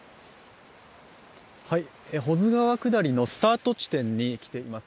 保津川下りのスタート地点に来ています。